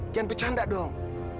jangan bercanda dong